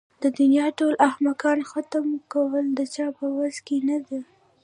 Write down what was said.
د دنيا ټول احمقان ختم کول د چا په وس کې نه ده.